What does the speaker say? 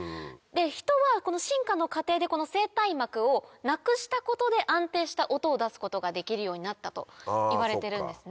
ヒトは進化の過程でこの声帯膜をなくしたことで安定した音を出すことができるようになったといわれてるんですね。